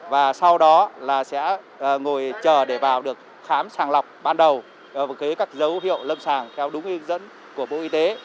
và sau đó là sẽ ngồi chờ để vào được khám sàng lọc ban đầu với các dấu hiệu lâm sàng theo đúng hướng dẫn của bộ y tế